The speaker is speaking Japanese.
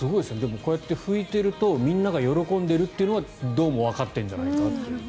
こうやって拭いているとみんなが喜んでいるというのはどうもわかってるんじゃないかっていう。